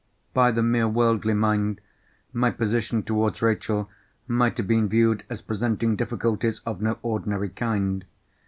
By the mere worldly mind my position towards Rachel might have been viewed as presenting difficulties of no ordinary kind.